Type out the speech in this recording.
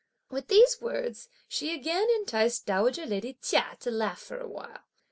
With these words, she again enticed dowager lady Chia to laugh for a while.